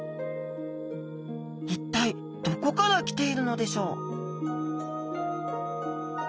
一体どこから来ているのでしょう？